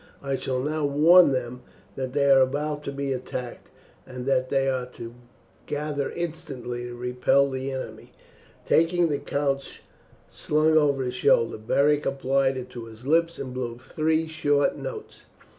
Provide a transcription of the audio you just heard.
I shall now warn them that they are about to be attacked, and that they are to gather instantly to repel the enemy." Taking the conch slung over his shoulder Beric applied it to his lips and blew three short notes.